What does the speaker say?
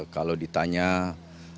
kalau ditanya apapun